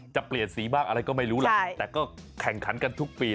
จะเปลี่ยนสีบ้างอะไรก็ไม่รู้ล่ะแต่ก็แข่งขันกันทุกปี